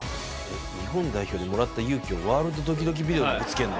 日本代表でもらった勇気をワールドドキドキビデオにぶつけんの？